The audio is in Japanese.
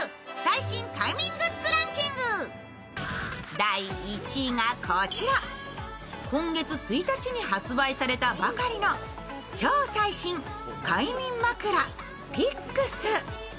第１位がこちら今月１日に発売されたばかりの超最新快眠枕、ピックス。